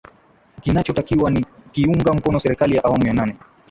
Kinachotakiwa ni kuiunga mkono serikali ya awamu ya nane